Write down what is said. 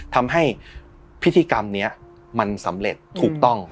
ทำให้พิธีกรรมนี้มันสำเร็จถูกต้อง